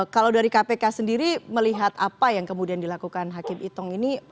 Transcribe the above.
kalau dari kpk sendiri melihat apa yang kemudian dilakukan hakim itong ini